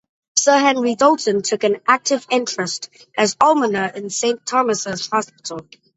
Sir Henry Doulton took an active interest, as almoner, in Saint Thomas' Hospital.